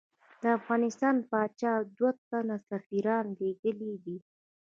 د افغانستان پاچا دوه تنه سفیران لېږلی دي.